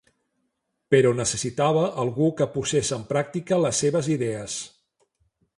Però necessitava algú que posés en pràctica les seves idees.